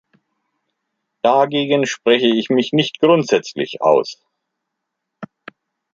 Dagegen spreche ich mich nicht grundsätzlich aus.